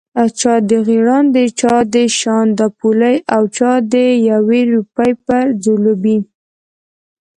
چا د غیراڼ، چا د شانداپولي او چا د یوې روپۍ پر ځلوبۍ.